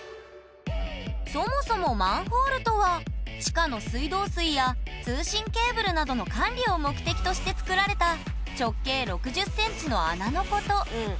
そもそもマンホールとは地下の水道水や通信ケーブルなどの管理を目的として作られた直径６０ｃｍの穴のこと。